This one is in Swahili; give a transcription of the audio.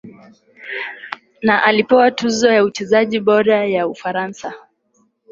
Na alipewa tuzo ya mchezaji bora wa Ufaransa